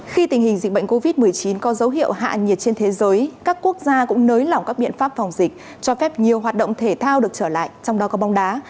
khi tình hình dịch bệnh covid một mươi chín có dấu hiệu hạ nhiệt trên thế giới các quốc gia cũng nới lỏng các biện pháp phòng dịch cho phép nhiều hoạt động thể thao được trở lại trong đó có bóng đá